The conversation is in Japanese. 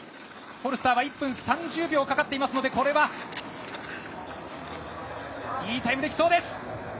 フォルスターは１分３０秒かかっていますのでこれはいいタイムで来そうです。